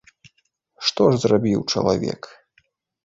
Што ж зрабіў чалавек?